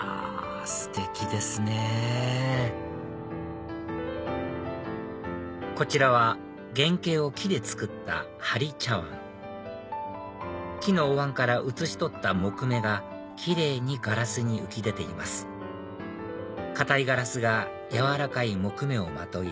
ステキですねこちらは原型を木で作った玻璃茶碗木のおわんから写し取った木目が奇麗にガラスに浮き出ています硬いガラスがやわらかい木目をまとい